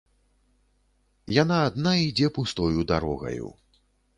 Яна адна ідзе пустою дарогаю.